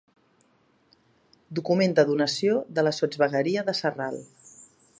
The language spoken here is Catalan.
Document de donació de la Sotsvegueria de Sarral.